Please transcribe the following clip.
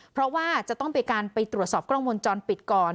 เพราะว่าจะต้องไปการไปตรวจสอบกล้องวงจรปิดก่อน